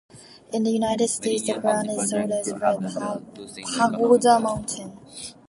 In the United States, the brand is sold as 'Red Pagoda Mountain'.